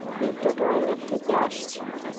একটু টয়লেট থেকে আসছি।